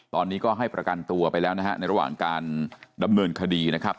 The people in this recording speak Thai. ตอนนี้ก็ให้ประกันตัวไปแล้วนะฮะในระหว่างการดำเนินคดีนะครับ